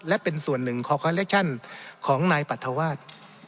และเป็นส่วนหนึ่งของนายปรัฐวาส